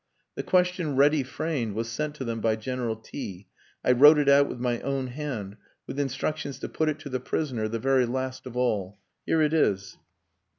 The question ready framed was sent to them by General T (I wrote it out with my own hand) with instructions to put it to the prisoner the very last of all. Here it is.